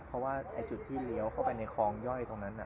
เพราะว่าจุดที่เลี้ยวเข้าไปในคลองย่อยตรงนั้น